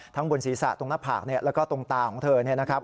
บนศีรษะตรงหน้าผากแล้วก็ตรงตาของเธอเนี่ยนะครับ